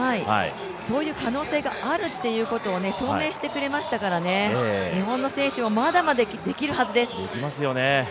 そういう可能性があるということを証明してくれましたからね、日本の選手はまだまだできるはずです。